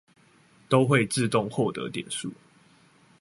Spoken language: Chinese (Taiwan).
都會自動獲得點數